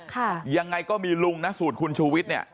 ค่ะยังไงก็มีลุงนะสูตรคุณชูวิทย์เนี่ย